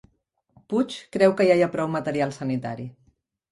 Puig creu que ja hi ha prou material sanitari